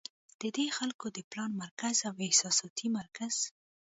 د دې خلکو د پلان مرکز او احساساتي مرکز